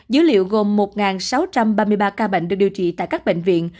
dữ liệu gồm một sáu trăm ba mươi ba ca bệnh được điều trị tại các bệnh viện